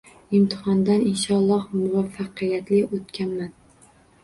Imtihondan inshaalloh muvaffaqiyatli oʻtganman.